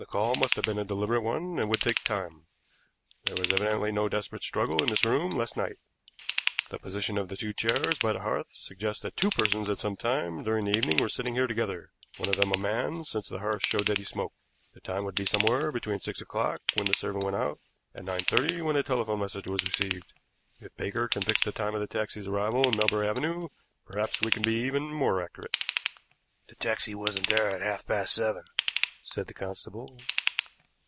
The call must have been a deliberate one and would take time. There was evidently no desperate struggle in this room last night. The position of the two chairs by the hearth suggests that two persons at some time during the evening were sitting here together one of them a man, since the hearth shows that he smoked. The time would be somewhere between six o'clock, when the servant went out, and nine thirty, when the telephone message was received. If Baker can fix the time of the taxi's arrival in Melbury Avenue, perhaps we can be even more accurate." "The taxi wasn't there at half past seven," said the constable.